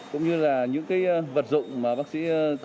cũng như là những vật dụng mà bác sĩ